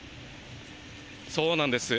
そうなんです。